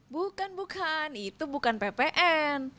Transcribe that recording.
bukan bukan itu bukan ppn